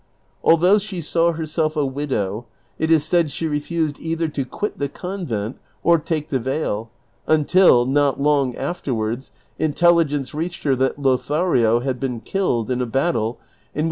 Although siie saw herself a widow, it is said she refused either to quit the convent or take the veil, until, not long afterwards, intelli gence reached her that Lothario had been killed in a battle in which M.